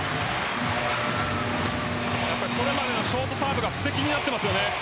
それまでのショートサーブが布石になっていますよね。